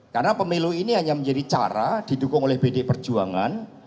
karena pemilu ini hanya menjadi cara didukung oleh pd perjuangan